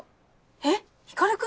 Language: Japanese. えっ光君？